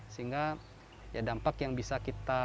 sehingga ya dampak yang bisa kita